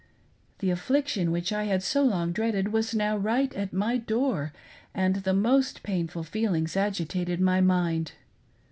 The affliction which I had so long dreaded was now right at my door, and the most painful feelings agitated my mind.